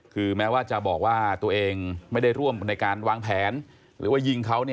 คือแม้ว่าจะบอกว่าตัวเองไม่ได้ร่วมในการวางแผนหรือว่ายิงเขา